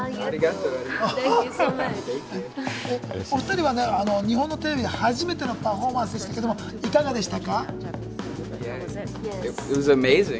センキューソーお２人は日本のテレビで初の生パフォーマンスでしたけど、いかがでした？